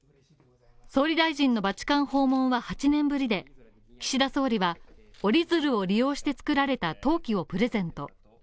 総理大臣のバチカン訪問は８年ぶりで、岸田総理は折り鶴を利用して作られた陶器をプレゼント。